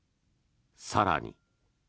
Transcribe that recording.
更に。